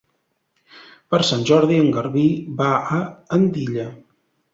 Per Sant Jordi en Garbí va a Andilla.